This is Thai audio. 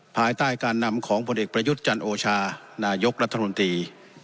ภายใต้การนำของผลเอกประยุทธ์จันโอชานายกรัฐมนตรี